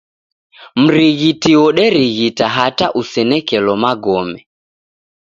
Mrighiti woderighita hata usenekelo magome.